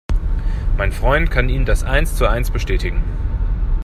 Mein Freund kann Ihnen das eins zu eins bestätigen.